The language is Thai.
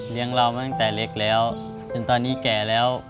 เรามาตั้งแต่เล็กแล้วจนตอนนี้แก่แล้ว